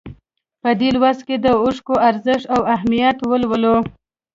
په دې لوست کې د اوښکو ارزښت او اهمیت ولولئ.